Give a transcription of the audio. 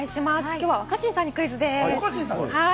きょうは若新さんにクイズです。